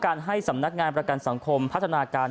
ให้สำนักงานประกันสังคมพัฒนาการ